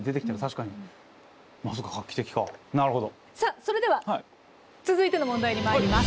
それでは続いての問題にまいります。